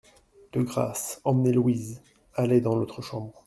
De grâce, emmenez Louise, allez dans l'autre chambre.